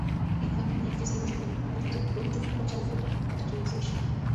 ili thamani ya fedha iweze kuonekana Ujenzi wa kituo hicho kikubwa Cha umeme utakiwezesha